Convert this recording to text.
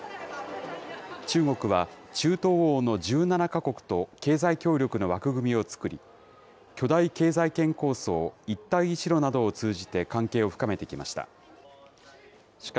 中国は、中東欧の１７か国と経済協力の枠組みを作り、巨大経済圏構想、一帯一路などを通じて関係を深めてきました。